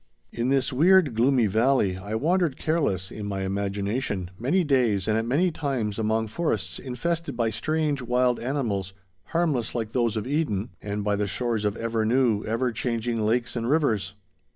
In this weird, gloomy valley I wandered careless, in my imagination, many days and at many times, among forests infested by strange, wild animals, harmless like those of Eden, and by the shores of ever new, ever changing lakes and rivers.